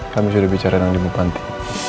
kami sudah bicara dengan bukanti